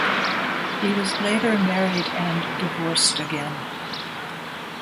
He was later married and divorced again.